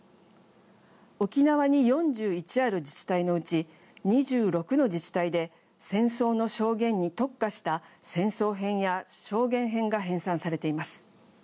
沖縄に４１ある自治体のうち２６の自治体で戦争の証言に特化した戦争編や証言編が編さんされています。